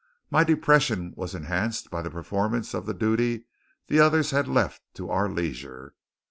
My depression was enhanced by the performance of the duty the others had left to our leisure.